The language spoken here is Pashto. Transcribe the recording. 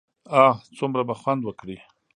اه څومره به خوند وکړي.